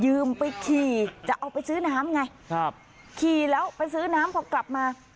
ไปขี่จะเอาไปซื้อน้ำไงครับขี่แล้วไปซื้อน้ำพอกลับมา